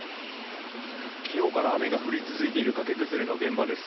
昨日から雨が降り続いている崖崩れの現場です。